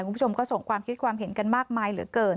คุณผู้ชมก็ส่งความคิดความเห็นกันมากมายเหลือเกิน